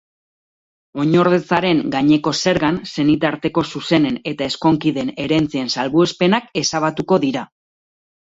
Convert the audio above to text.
Oinordetzaren gaineko zergan, senitarteko zuzenen eta ezkontideen herentzien salbuespenak ezabatuko dira.